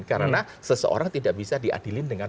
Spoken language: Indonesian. karena seseorang tidak bisa diadilin dengan